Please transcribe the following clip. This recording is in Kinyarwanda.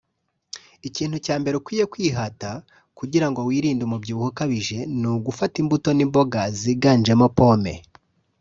Ikintu cya mbere ukwiye kwihata kugira ngo wirinde umubyibuho ukabije ni ugufata imbuto n’imboga ziganjemo pomme